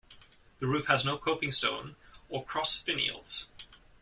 The roof has no Coping stone or Cross finials.